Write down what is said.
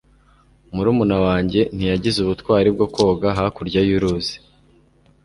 murumuna wanjye ntiyagize ubutwari bwo koga hakurya y'uruzi